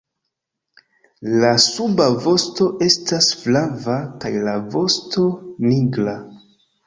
La suba vosto estas flava kaj la vosto nigra.